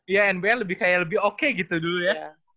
iya nbl kayak lebih oke gitu dulu ya